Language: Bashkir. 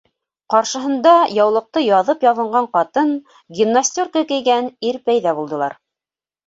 Ҡаршыһында яулыҡты яҙып ябынған ҡатын, гимнастерка кейгән ир пәйҙә булдылар.